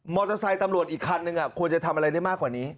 มอเตอร์ไซต์ตำรวจอีกครั้งนึงควรจะทำอะไรได้มากกว่านี้